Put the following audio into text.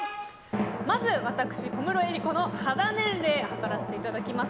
まず、私小室瑛莉子の肌年齢測らせていただきます。